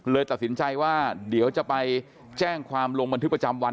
ตัดสินใจว่าเดี๋ยวจะไปแจ้งความลงบันทึกประจำวัน